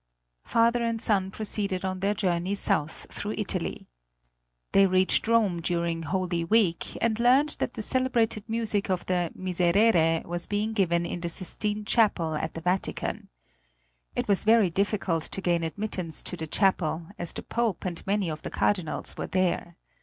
Father and son proceeded on their journey south through Italy. They reached Rome during Holy Week, and learned that the celebrated music of the "Miserere" was being given in the Sistine Chapel at the Vatican. It was very difficult to gain admittance to the Chapel, as the Pope and many of the Cardinals were there.